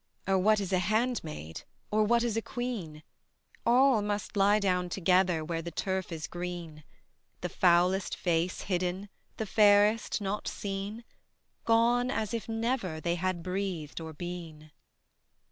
Oh what is a handmaid, Or what is a queen? All must lie down together Where the turf is green, The foulest face hidden, The fairest not seen; Gone as if never They had breathed or been.